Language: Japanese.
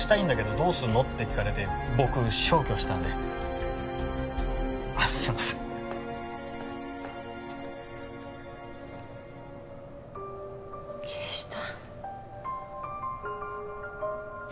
「どうすんの？」って聞かれて僕消去したんであっすいません消した？